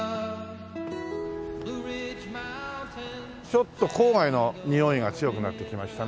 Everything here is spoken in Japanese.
ちょっと郊外のにおいが強くなってきましたね。